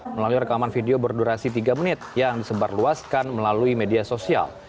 melalui rekaman video berdurasi tiga menit yang disebarluaskan melalui media sosial